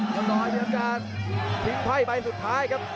เดี๋ยวดอยเป็นการทิ้งไพ่ใบสุดท้ายครับ